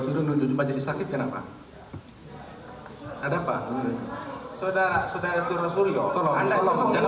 hidup hidup aja disakit kenapa ada pak sudah sudah itu rosulio kalau anda itu